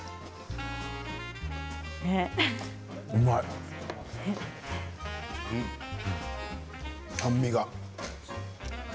うまい、酸味が。